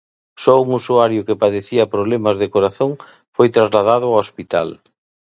Só un usuario que padecía problemas de corazón foi trasladado ao hospital.